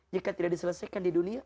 jika tidak diselesaikan di dunia